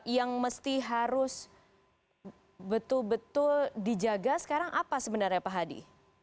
yang mesti harus betul betul dijaga sekarang apa sebenarnya pak hadi